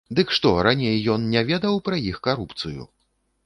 Дык што, раней ён не ведаў пра іх карупцыю?